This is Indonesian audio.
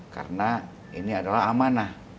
karena ini adalah amanah